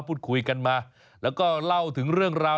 พูดคุยกันมาแล้วก็เล่าถึงเรื่องราว